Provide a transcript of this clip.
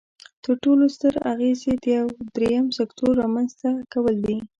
تر ټولو ستر اغیز یې د یو دریم سکتور رامینځ ته کول دي.